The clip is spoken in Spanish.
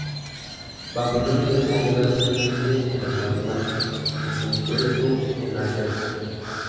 Babilonia destacó grandemente en las matemáticas, en concreto en álgebra.